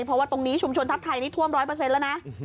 เพราะว่าตรงนี้ชุมชนทัพไทยนี่ท่วมร้อยเปอร์เซ็นต์แล้วนะ